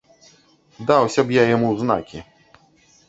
Даўся б я яму ў знакі!